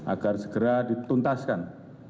agar segera dituntaskan